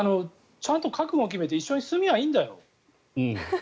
ちゃんと覚悟を決めて一緒に住めばいいんだよ。